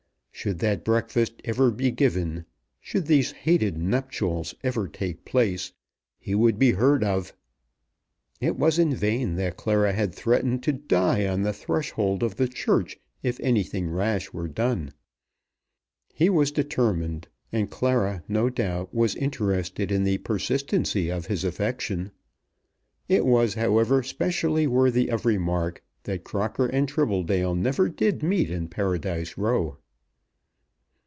Should that breakfast ever be given; should these hated nuptials ever take place; he would be heard of. It was in vain that Clara had threatened to die on the threshold of the church if anything rash were done. He was determined, and Clara, no doubt, was interested in the persistency of his affection. It was, however, specially worthy of remark that Crocker and Tribbledale never did meet in Paradise Row.